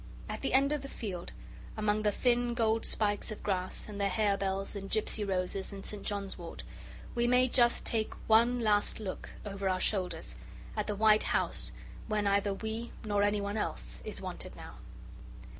At the end of the field, among the thin gold spikes of grass and the harebells and Gipsy roses and St. John's Wort, we may just take one last look, over our shoulders, at the white house where neither we nor anyone else is wanted now.